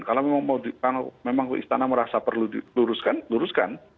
kalau memang istana merasa perlu diluruskan